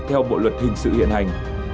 theo bộ luật hình sự hiện hành